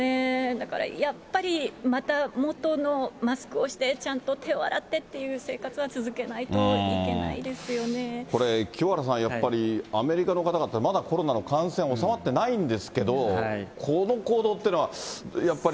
だから、やっぱりまた元の、マスクをして、ちゃんと手を洗ってという生活はこれ、清原さん、やっぱり、アメリカの方々、まだコロナの感染、収まってないんですけど、この行動っていうのはやっぱり。